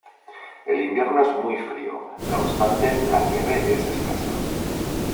El invierno es muy frío, no obstante la nieve es escasa.